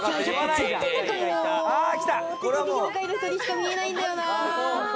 テレビ業界の人にしか見えないんだよな。